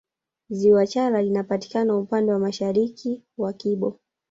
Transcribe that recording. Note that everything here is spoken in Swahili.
Ziwa chala linapatikana upande wa mashariki wa kibo